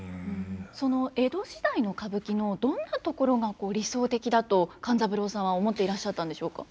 その江戸時代の歌舞伎のどんなところが理想的だと勘三郎さんは思っていらっしゃったんでしょうか？